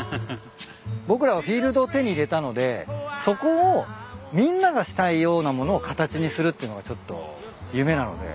僕らはフィールドを手に入れたのでそこをみんながしたいようなものを形にするってのがちょっと夢なので。